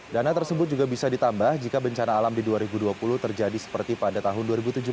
dana tersebut juga bisa ditambah jika bencana alam di dua ribu dua puluh terjadi seperti pada tahun dua ribu tujuh belas